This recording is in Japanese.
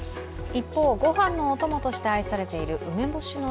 一方、ご飯のお供として愛されている梅干しの